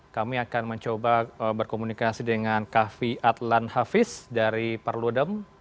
kami akan mencoba berkomunikasi dengan kavi adlan hafiz dari perludem